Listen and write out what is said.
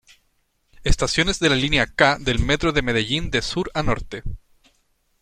Estaciones de la Linea K del Metro de Medellín de sur a norte.